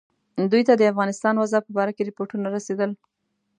دوی ته د افغانستان وضع په باره کې رپوټونه رسېدل.